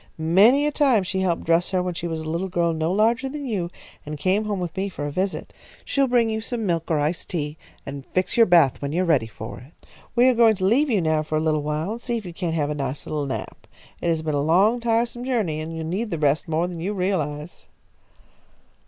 Many a time she helped dress her when she was a little girl no larger than you, and came home with me for a visit. She'll bring you some milk or iced tea, and fix your bath when you are ready for it. We are going to leave you now for a little while and see if you can't have a nice little nap. It has been a long, tiresome journey, and you need the rest more than you realise."